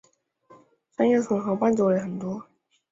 三叶虫和腕足类很多。